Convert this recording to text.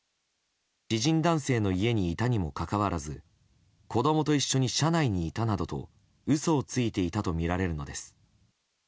知人男性の家にいたにもかかわらず子供と一緒に車内にいたなどと嘘をついていたとみられるのです。